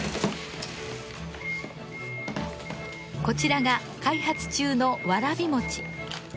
こちらが開発中のわらび餅。